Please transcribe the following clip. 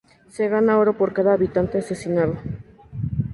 Se gana oro por cada habitante asesinado.